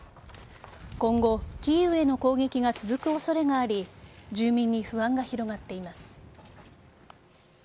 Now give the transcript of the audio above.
今後、キーウへの攻撃が続く恐れがあり住民に不安が広がっています。